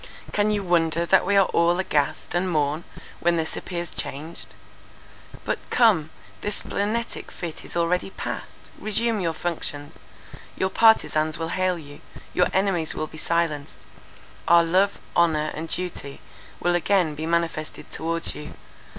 "Can you wonder that we are all aghast and mourn, when this appears changed? But, come, this splenetic fit is already passed; resume your functions; your partizans will hail you; your enemies be silenced; our love, honour, and duty will again be manifested towards you.